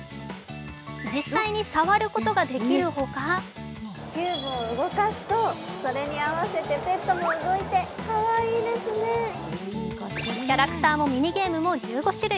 実際に触ることができるほかキャラクターもミニゲームも１５種類。